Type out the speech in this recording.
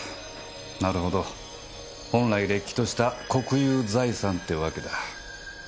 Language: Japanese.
なるほど本来れっきとした国有財産ってわけだ。